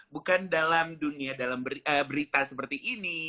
bukan dalam dunia dalam berita seperti ini